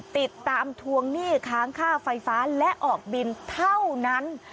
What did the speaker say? ติดตามทวงหนี้ค้างค่าไฟฟ้าและออกบินเท่านั้น